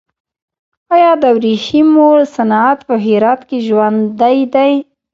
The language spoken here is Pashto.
آیا د ورېښمو صنعت په هرات کې ژوندی دی؟